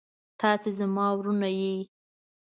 تاسو زما وروڼه يې.